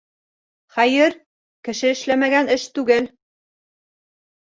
Хәйер, кеше эшләмәгән эш түгел.